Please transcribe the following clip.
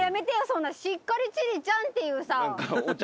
そんなしっかり千里ちゃんっていうさ。